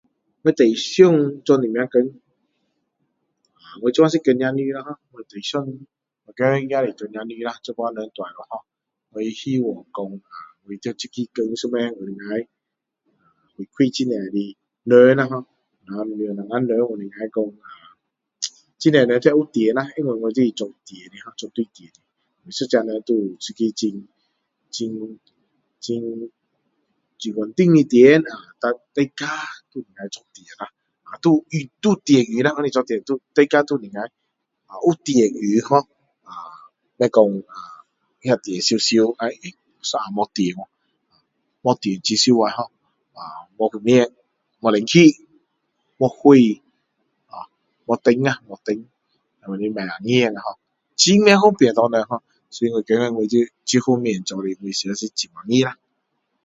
我最想做什么工我现在是工程师啦ho我最想我看也是工程师啦现在人大了ho我希望说啊我在这个工上面能够回馈很多人啦ho让很多人能够说很多人会有电啦因为我是做电的做大电的每一个人都有一个很很很很稳定的电啊dan大家都能够做电啊都有电用啦大家都能够啊有电用ho啊但是说那电要常常一下没有电掉啊没电很辛苦ho啊没风扇没冷气没火啊没灯啊没灯那样没看见ho很不方便给人ho所以我觉得我在这方面做的我是很欢喜啦